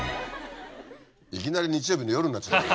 いきなり日曜日の夜になっちゃった。